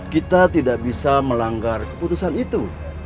kita tidak bisa melanggar keputusan itu